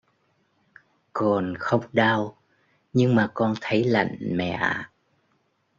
Còn không đau nhưng mà con thấy lạnh mẹ ạ